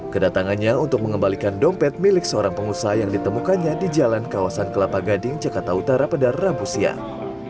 kedatangannya untuk mengembalikan dompet milik seorang pengusaha yang ditemukannya di jalan kawasan kelapa gading jakarta utara pada rabu siang